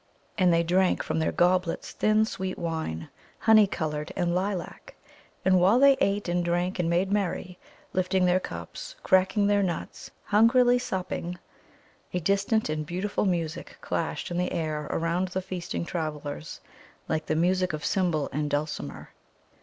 And they drank from their goblets thin sweet wine, honey coloured, and lilac. And while they ate and drank and made merry, lifting their cups, cracking their nuts, hungrily supping, a distant and beautiful music clashed in the air around the feasting travellers, like the music of cymbal and dulcimer.